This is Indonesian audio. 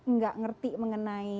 nggak ngerti mengenai